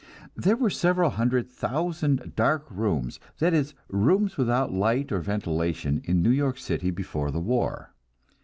There were several hundred thousand dark rooms, that is rooms without light or ventilation, in New York City before the war.